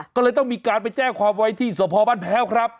ก็เลยต้องมีการไปแจ้งความไว้ที่สพบ้านแพ้วครับ